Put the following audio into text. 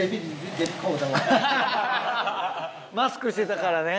マスクしてたからね。